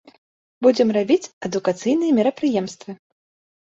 Будзем рабіць адукацыйныя мерапрыемствы.